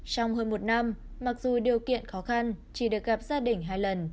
trong hơn một năm mặc dù điều kiện khó khăn chỉ được gặp gia đình hai lần